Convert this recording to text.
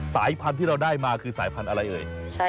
สายพันธุ์ที่เราได้มาคือสายพันธุ์อะไรเอ่ย